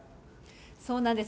そうなんです。